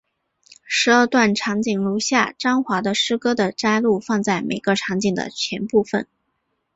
十二段场景如下张华的诗歌的摘录放在每个场景的前部分。